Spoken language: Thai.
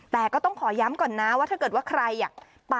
แต่ก็ต้องขอย้ำก่อนนะว่าถ้าเกิดว่าใครอยากไป